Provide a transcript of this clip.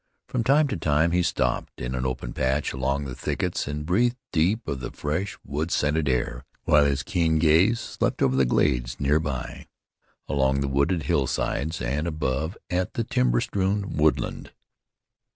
From time to time he stopped in an open patch among the thickets and breathed deep of the fresh, wood scented air, while his keen gaze swept over the glades near by, along the wooded hillsides, and above at the timber strewn woodland.